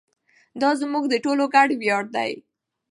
دا زموږ د ټولو ګډ ویاړ دی.